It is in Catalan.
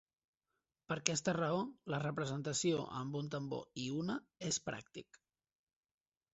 Per aquesta raó, la representació amb un tambor i una és pràctic.